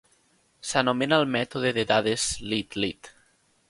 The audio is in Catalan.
S'anomena el mètode de dades "lead-lead".